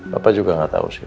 bapak juga gak tau sih